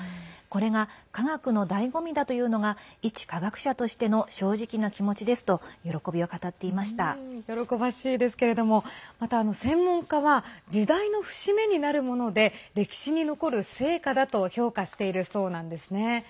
これが科学のだいご味だというのがいち科学者としての正直な気持ちですと喜ばしいですけれどもまた、専門家は時代の節目になるもので歴史に残る成果だと評価しているそうなんですね。